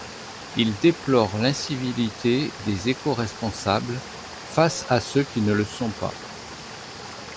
Il déplore l'incivilité des éco-responsables face à ceux qui ne le sont pas.